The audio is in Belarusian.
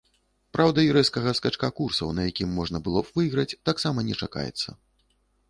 Праўда, і рэзкага скачка курсаў, на якім можна было б выйграць, таксама не чакаецца.